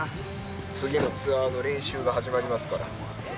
次のツアーの練習が始まりますから。